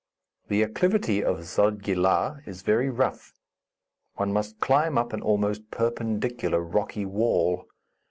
The acclivity of Zodgi La is very rough; one must climb up an almost perpendicular rocky wall.